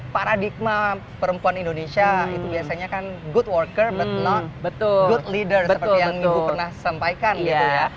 paradigma perempuan indonesia itu biasanya kan good worker good leader seperti yang ibu pernah sampaikan gitu ya